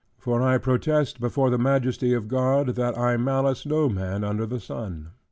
For I protest before the Majesty of God, that I malice no man under the sun.